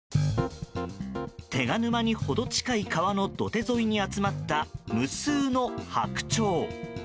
手賀沼に程近い川の土手沿いに集まった無数のハクチョウ。